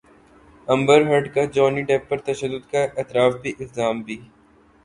امبر Heard کا Johnny Depp پر تشدد کا اعتراف بھی الزام بھی